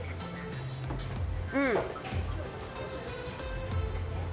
うん。